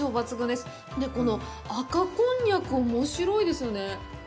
それで、この赤こんにゃく、おもしろいですよね。